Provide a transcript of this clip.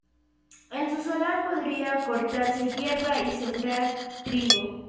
En su solar podría cortarse hierba y sembrar trigo.